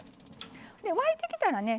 沸いてきたらね